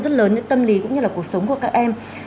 rất lớn đến tâm lý cũng như là cuộc sống của các em